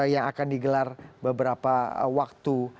yang akan digelar beberapa waktu